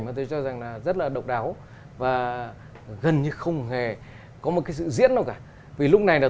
mà tôi cho rằng là rất là độc đáo và gần như không hề có một cái sự diễn nào cả vì lúc này là